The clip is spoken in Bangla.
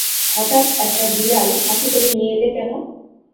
হঠাৎ একটা বিড়াল সাথে করে নিয়ে এলে কেন?